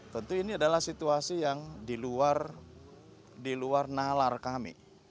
tentu ini adalah situasi yang di luar nalar kami